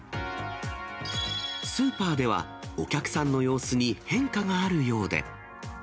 スーパーでは、お客さんの様子に変化があるようで。